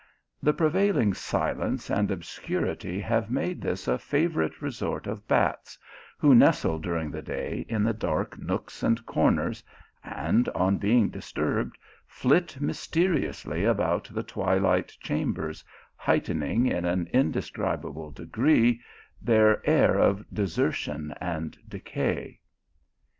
The prevailing silence and obscurity have made this a favourite resort of bats, who nestle during the day in the dark nooks and corners, and, on being disturbed, flit mysteriously about the twilight cham bers, heightening in an indescribable degree their air of desertion and decay.